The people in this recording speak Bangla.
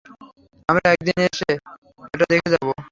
আমরা একদিন এসে এটা দেখে যাবো।